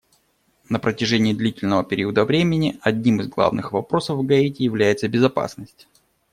На протяжении длительного периода времени одним из главных вопросов в Гаити является безопасность.